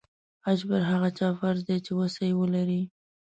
حج پر هغه چا فرض دی چې وسه یې ولري.